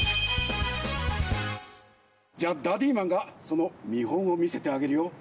じゃあダディーマンがそのみほんをみせてあげるよ。